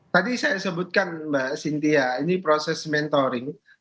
tadi saya sebutkan mbak cynthia ini proses mentoring